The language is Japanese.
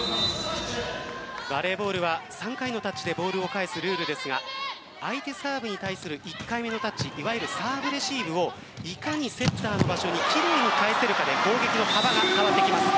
バレーボールは３回のタッチでボールを返すルールですが相手サーブに対して１回目のタッチいわゆるサーブレシーブをいかにセッターの場所に奇麗に返せるかで攻撃の幅が変わってきます。